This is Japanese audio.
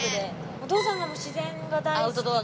お父さんが自然が大好きで。